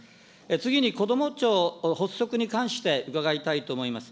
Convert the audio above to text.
次にこども庁発足に関して伺いたいと思います。